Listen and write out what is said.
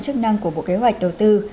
chức năng của bộ kế hoạch đầu tư